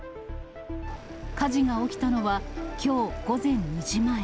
火事が起きたのは、きょう午前２時前。